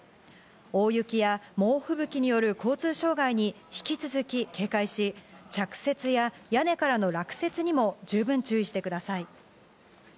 大雪や猛ふぶきによる交通障害に引き続き警戒し、着雪や屋根からの落雪にも十分注意してください。